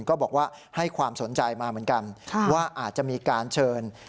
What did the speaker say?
ก็บอกว่าให้ความสนใจมาเหมือนกันว่าอาจจะมีการเชิญ